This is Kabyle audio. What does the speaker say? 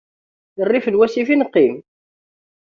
Rrif n wasif i neqqim.